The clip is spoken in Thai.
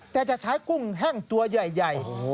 แต่จะใช้กุ้งแห้งตัวใหญ่